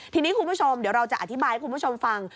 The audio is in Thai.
ทีนี้คุณผู้ชมเดี๋ยวเราจะอธิบายให้คุณผู้ชมฟัง